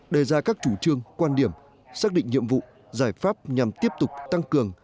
đề ra các chủ trương quan điểm xác định nhiệm vụ giải pháp nhằm tiếp tục tăng cường